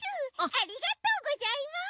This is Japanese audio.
ありがとうございます。